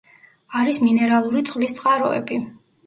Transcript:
არის მინერალური წყლის წყაროები.